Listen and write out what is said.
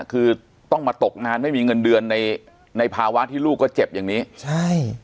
คือต้องมาตกงานไม่มีเงินเดือนในในภาวะที่ลูกก็เจ็บอย่างนี้ใช่